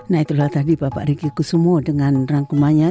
nah itulah tadi bapak riki kusumo dengan rangkumannya